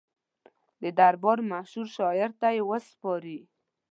د دربار مشهور شاعر ته یې وسپاري.